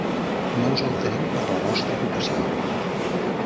No us altereu per la vostra ocupació.